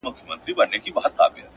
خدای ورکړی وو کمال په تول تللی -